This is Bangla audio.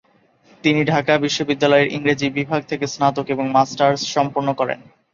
তিনি ঢাকা বিশ্ববিদ্যালয়ের ইংরেজি বিভাগ থেকে স্নাতক এবং মাস্টার্স সম্পন্ন করেন।